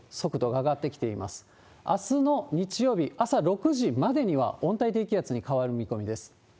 あすの日曜日朝６時までには温帯低気圧に変わる見込みです。